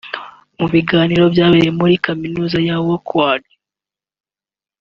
Mu biganiro byabereye muri Kaminuza ya “Wroclaw